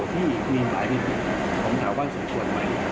ที่มีหลายประโยชน์ผมถามว่าสุดควรไหม